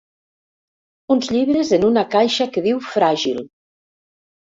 Uns llibres en una caixa que diu fràgil.